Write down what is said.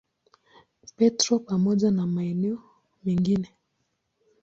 Petro pamoja na maeneo mengine.